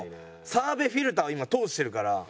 澤部フィルターを今通してるから。